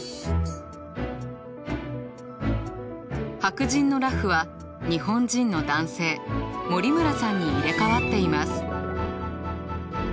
白人の裸婦は日本人の男性森村さんに入れ代わっています。